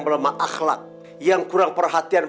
melemah akhlak yang kurang perhatian